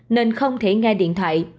nên không thể nghe điện thoại